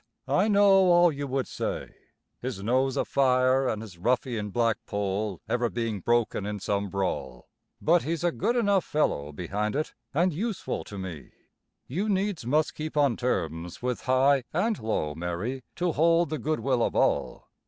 I know all you would say his nose afire and his ruffian black poll ever being broken in some brawl, but he's a good enough fellow behind it, and useful to me. You needs must keep on terms with high and low, Mary, to hold the good will of all.